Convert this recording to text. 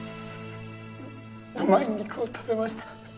うまい肉を食べました